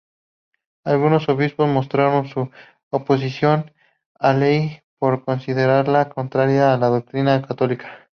Algunos obispos mostraron su oposición a ley por considerarla contraria a la doctrina católica.